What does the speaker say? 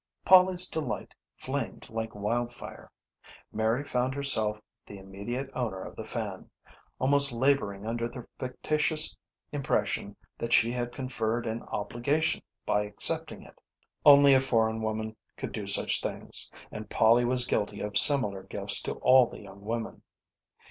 Polly's delight flamed like wild fire. Mary found herself the immediate owner of the fan, almost labouring under the fictitious impression that she had conferred an obligation by accepting it. Only a foreign woman could do such things, and Polly was guilty of similar gifts to all the young women.